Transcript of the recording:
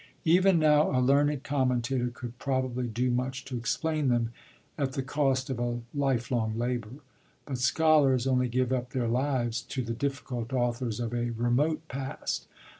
Even now a learned commentator could probably do much to explain them, at the cost of a life long labour; but scholars only give up their lives to the difficult authors of a remote past.